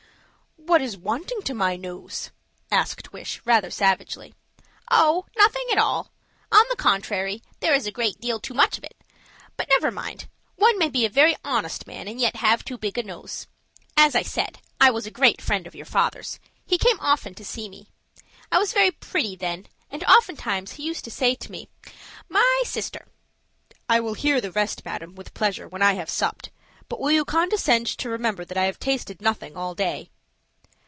"What is wanting to my nose?" asked Wish rather savagely. "Oh! nothing at all. On the contrary, there is a great deal too much of it; but never mind, one may be a very honest man, and yet have too big a nose. As I said, I was a great friend of your father's; he came often to see me. I was very pretty then, and oftentimes he used to say to me, 'My sister '" "I will hear the rest, madam, with pleasure, when I have supped; but will you condescend to remember that I have tasted nothing all day?"